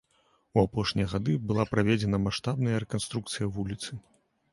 У апошнія гады была праведзена маштабная рэканструкцыя вуліцы.